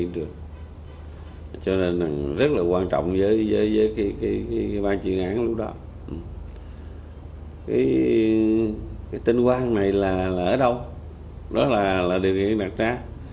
tên quang này là ở đâu đó là địa điểm đặc trá